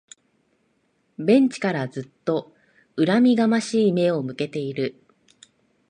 ベンチからずっと恨みがましい目を向けている